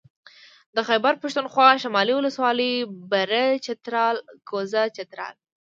د خېبر پښتونخوا شمالي ولسوالۍ بره چترال کوزه چترال